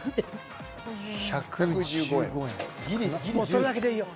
それだけでいいよ